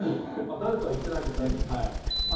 誰とは言ってないから大丈夫かな。